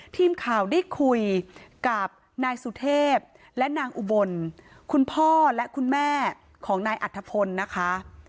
ทีมข่าวได้คุยกับนายสุเทพและนางอุบลคุณพ่อและคุณแม่ของนายอัธพลนะคะ